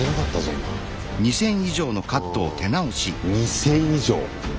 うん２０００以上！